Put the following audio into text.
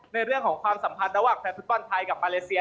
เรื่องของความสัมพันธ์ระหว่างแฟนฟุตบอลไทยกับมาเลเซีย